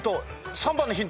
３番のヒント